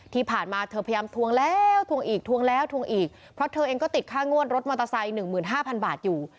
ที่ผ่านมาเธอพยายามทวงแล้วทวงอีกทวงแล้วทวงอีกเพราะเธอเองก็ติดค่างวดรถมอเตอร์ไซค์๑๕๐๐บาทอยู่